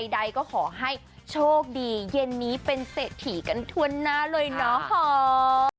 ใดก็ขอให้โชคดีเย็นนี้เป็นเศรษฐีกันทั่วหน้าเลยเนาะ